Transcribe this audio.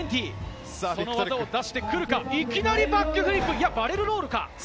技を出してくるのか、いきなりバックフリップ、いやバレルロールか。